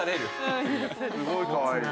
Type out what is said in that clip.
すごいかわいい。